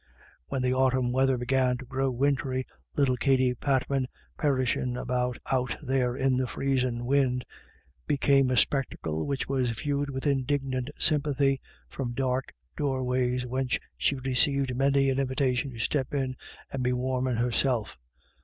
When the autumn weather began to grow wintry, little Katty Pat man, "perishin' about out there in the.freezki' win'," became a spectacle which was viewed with indignant sympathy from dark doorways whence she received many an invitation to step in and be warmin* herself.